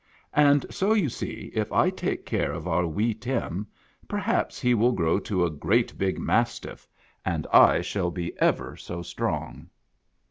And so you see, if I take care of our wee Tim, perhaps he will grow to a great big mastiff, and I shall be ever so strong."